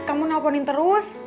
kamu teleponin terus